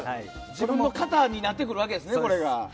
自分の型になってくるわけですね。